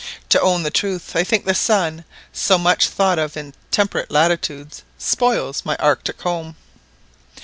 To own the truth, I think the sun, so much thought of in temperate latitudes, spoils my Arctic home."